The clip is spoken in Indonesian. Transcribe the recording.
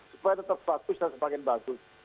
supaya tetap bagus dan semakin bagus